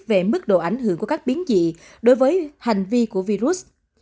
về mức độ ảnh hưởng của các biến dị đối với hành vi của virus